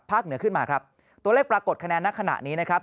เหนือขึ้นมาครับตัวเลขปรากฏคะแนนณขณะนี้นะครับ